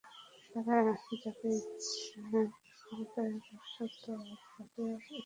তারা যাকে ইচ্ছা ক্ষমতায় বসাত আর যাকে ইচ্ছা অপসারিত করত।